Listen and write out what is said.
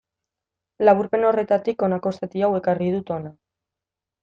Laburpen horretatik honako zati hau ekarri dut hona.